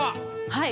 はい。